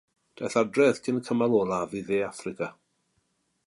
Daeth adref cyn y cymal olaf i Dde Affrica.